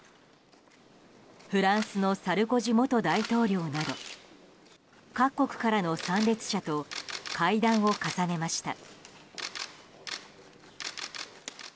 フランスのサルコジ元大統領など各国からの参列者と会談を重ねました。